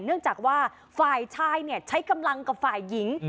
เนื่องจากว่าฝ่ายชายใช้กำลังกับฝ่ายหญิง